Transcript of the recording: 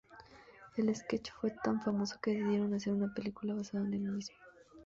El sketch fue tan famoso que decidieron hacer una película basado en el mismo.